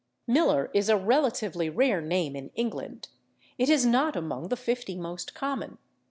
/Miller/ is a relatively rare name in England; it is not among the fifty most common.